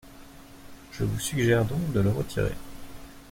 Je vous suggère donc de le retirer.